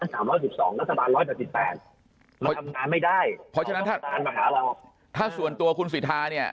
ตั้ง๓๑๒รัฐบาล๑๘๘เราทำงานไม่ได้เพราะฉะนั้นถ้าส่วนตัวคุณศิษฐาเนี่ย